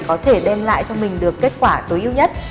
có thể đem lại cho mình được kết quả tối ưu nhất